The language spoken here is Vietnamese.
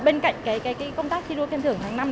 bên cạnh công tác thi đua khen thưởng tháng năm